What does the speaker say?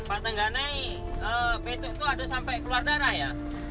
pak tengganei betuk itu ada sampai keluar darah ya